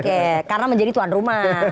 oke karena menjadi tuan rumah